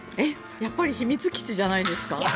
やっぱり秘密基地じゃないですか。